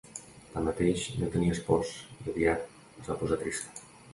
Tanmateix, no tenia espòs, i aviat es va posar trista.